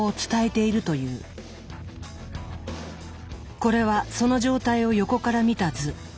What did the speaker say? これはその状態を横から見た図。